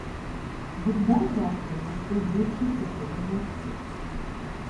Богдан раптом настовбурчився проти гостя: